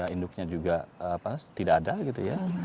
induknya juga tidak ada gitu ya